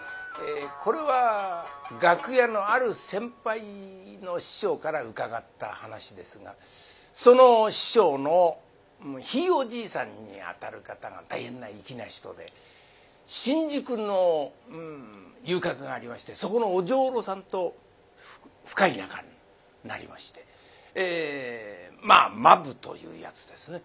これは楽屋のある先輩の師匠から伺った話ですがその師匠のひいおじいさんにあたる方が大変な粋な人で新宿の遊郭がありましてそこのお女郎さんと深い仲になりましてまあ間夫というやつですね。